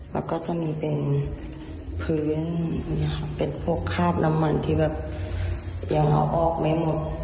แล้วก็จะมีเป็นพื้นอย่างนี้ค่ะเป็นพวกคาดน้ำมันที่แบบยังเอาออกไม่หมด